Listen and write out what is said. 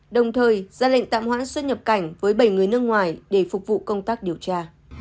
đồng thời ra lệnh tạm hoãn xuất nhập cảnh với bảy người nước ngoài để phục vụ công tác điều tra